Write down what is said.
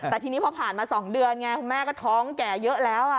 แต่ทีนี้พอผ่านมา๒เดือนไงคุณแม่ก็ท้องแก่เยอะแล้ว